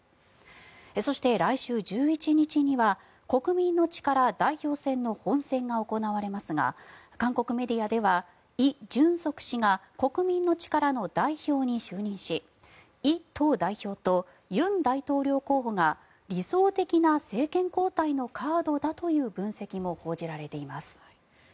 そして、来週１１日には国民の力代表選の本選が行われますが韓国メディアではイ・ジュンソク氏が国民の力の代表に就任しイ党代表とユン大統領候補が理想的な政権交代のカードだとの分析も報じられています。